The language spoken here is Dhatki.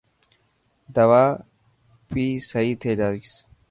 دوا پي سهي ٿي جائيس.